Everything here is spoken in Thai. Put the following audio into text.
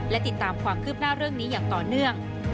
และติดตามความคืบหน้าเรื่องนี้อย่างต่อเนื่อง